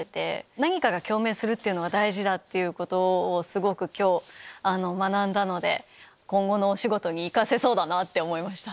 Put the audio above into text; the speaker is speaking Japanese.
何かが共鳴するのが大事ってことすごく今日学んだので今後のお仕事に生かせそうだなって思いました。